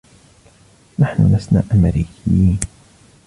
نحن لسنا أمريكيين.